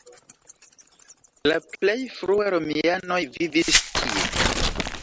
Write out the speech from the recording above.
La plej frue romianoj vivis tie.